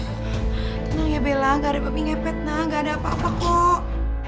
tenang ya bella gak ada babi ngepet nak gak ada apa apa kok